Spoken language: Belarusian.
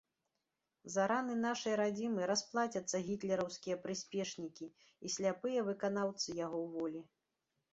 За раны нашай радзімы расплацяцца гітлераўскія прыспешнікі і сляпыя выканаўцы яго волі.